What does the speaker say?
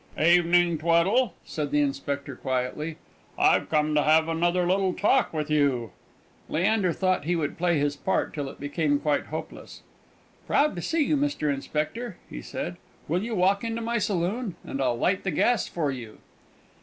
"Evening, Tweddle," said the Inspector, quietly. "I've come to have another little talk with you." Leander thought he would play his part till it became quite hopeless. "Proud to see you, Mr. Inspector," he said. "Will you walk into my saloon? and I'll light the gas for you."